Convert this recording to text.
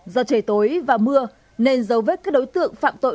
do trời tối và mưa nên dấu vết các đối tượng phạm tội